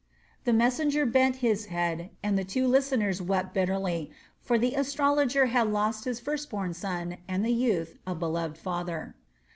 The messenger bent his head, and the two listeners wept bitterly, for the astrologer had lost his first born son and the youth a beloved father.